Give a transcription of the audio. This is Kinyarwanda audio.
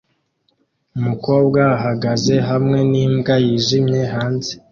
Umukobwa ahagaze hamwe n'imbwa yijimye hanze